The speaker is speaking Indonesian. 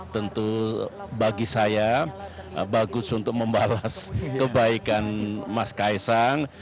tentu bagi saya bagus untuk membalas kebaikan mas kaisang